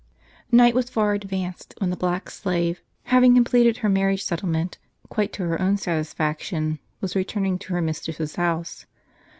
IGHT was far advanced, when the black slave, having completed her marriage settlement quite to her own satisfac tion, was returning to her mistress's house.